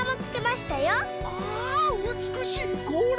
あうつくしいこうら！